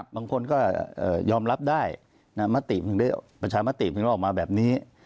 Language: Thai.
บางคนก็ยอมรับได้ประชามาติมถึงได้ออกมาแบบนี้